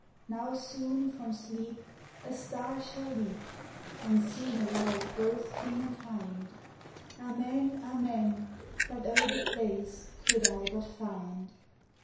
Now soone from Sleepe A Starre shall leap, And soone arrive both King and Hinde; Amen, Amen: But oh, the place co'd I but finde